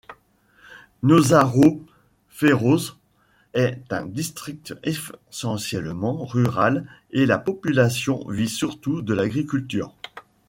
Naushahro Feroze est un district essentiellement rural et la population vit surtout de l'agriculture.